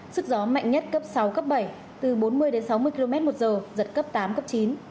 sức gió mạnh nhất cấp sáu cấp bảy từ bốn mươi đến sáu mươi km một giờ giật cấp tám cấp chín